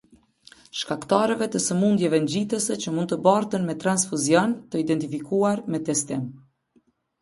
Shkaktarëve të sëmundjeve ngjitëse që mund të bartën me transfuzion, të identifikuar me testim.